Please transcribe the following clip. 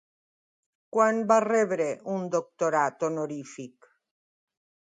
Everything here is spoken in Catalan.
Quan va rebre un doctorat honorífic?